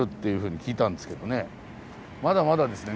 まだまだですね。